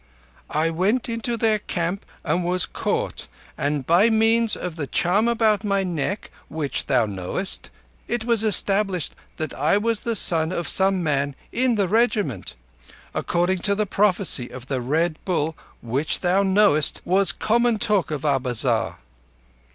"_I went into their camp and was caught, and by means of the charm about my neck, which thou knowest, it was established that I was the son of some man in the regiment: according to the prophecy of the Red Bull, which thou knowest was common talk of our bazar.